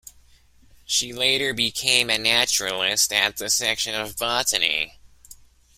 She later became a naturalist at the Section of Botany.